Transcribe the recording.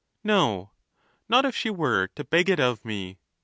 no, not if she were to beg it of me.